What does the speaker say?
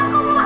gw tau aja